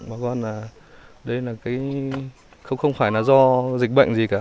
và con là đấy là cái không phải là do dịch bệnh gì cả